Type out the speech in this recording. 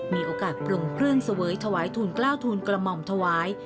มีโอกาสปรุงเครื่องเสวยถวายทูลกล้าวทูลกระหม่อมถวาย